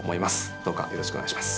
どうかよろしくお願いします。